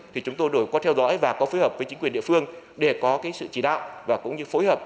thì chúng tôi đổi qua theo dõi và có phối hợp với chính quyền địa phương để có cái sự chỉ đạo và cũng như phối hợp